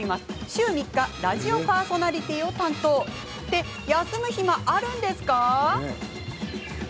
週３日ラジオパーソナリティーを担当。って休む暇あるんですか？